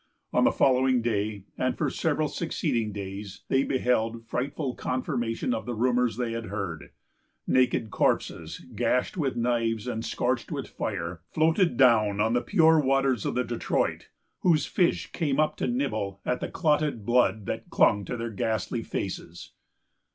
On the following day, and for several succeeding days, they beheld frightful confirmation of the rumors they had heard. Naked corpses, gashed with knives and scorched with fire, floated down on the pure waters of the Detroit, whose fish came up to nibble at the clotted blood that clung to their ghastly faces.